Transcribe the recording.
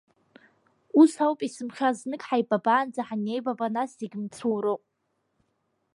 Ус ауп есымша, знык ҳааибабаанӡа, ҳанеибаба, нас зегь мцуроуп!